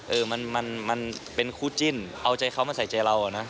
เออมันเป็นคู่จิ้นเอาใจเขามาใส่ใจเราอะนะ